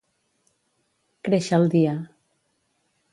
Créixer el dia.